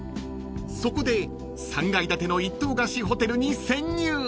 ［そこで３階建ての１棟貸しホテルに潜入］